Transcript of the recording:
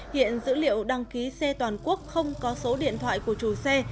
hiện dữ liệu đăng ký xe toàn quốc không có số điện thoại của chủ xe